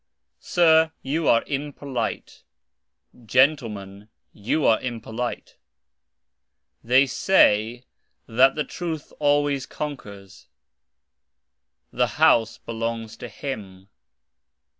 Sir, you are impolite. Gentlemen, you are impolite. Tkey say that (the) truth always conquers. The house belongs to him.